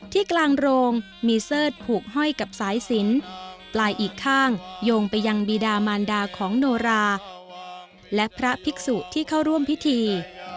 กลางโรงมีเสิร์ธผูกห้อยกับสายสินปลายอีกข้างโยงไปยังบีดามานดาของโนราและพระภิกษุที่เข้าร่วมพิธี